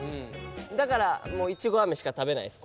だからいちごアメしか食べないです